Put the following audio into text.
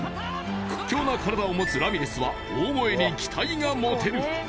屈強な体を持つラミレスは大声に期待が持てる！